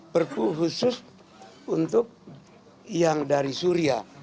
perpu khusus untuk yang dari suria